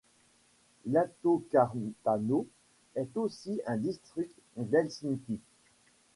Latokartano est aussi un district d'Helsinki.